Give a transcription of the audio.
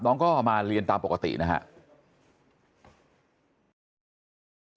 น้องก็มาเรียนตามปกตินะครับ